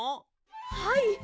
はい！